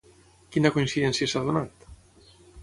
Quina coincidència s'ha donat?